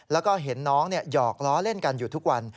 แล้วก็เห็นน้องหยอกล้อเล่นกันอยู่ทุกวัน